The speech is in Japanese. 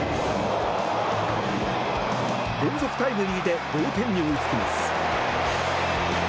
連続タイムリーで同点に追いつきます。